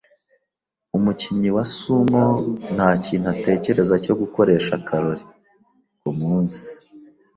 Umukinnyi wa sumo ntakintu atekereza cyo gukoresha karori . kumunsi.